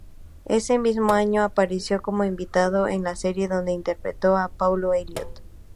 Ese mismo año apareció como invitado en la serie donde interpretó a Paul Elliot.